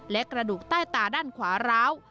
และกระดูกใต้ตาด้านขวาร้าว